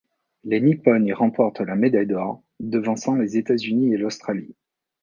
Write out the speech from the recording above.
Les Nippones y remportent la médaille d'or devançant les États-Unis et l'Australie.